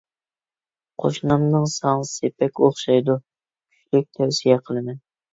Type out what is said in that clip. قوشنامنىڭ ساڭزىسى بەك ئوخشايدۇ، كۈچلۈك تەۋسىيە قىلىمەن.